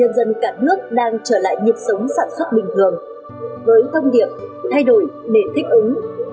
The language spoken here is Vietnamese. nhân dân cả nước đang trở lại nhịp sống sản xuất bình thường với thông điệp thay đổi để thích ứng